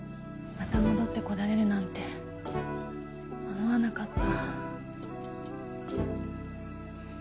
また戻ってこられるなんて思わなかった。